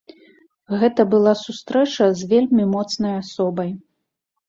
Гэта была сустрэча з вельмі моцнай асобай.